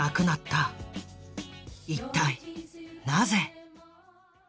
一体なぜ？